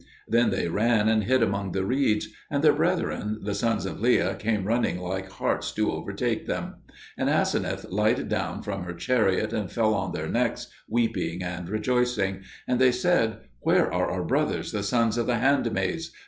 Then they ran and hid among the reeds; and their brethren the sons of Leah came running like harts to overtake them. And Aseneth lighted down from her chariot and fell on their necks weeping and rejoicing; and they said, "Where are our brothers the sons of the handmaids?"